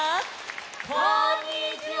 こんにちは！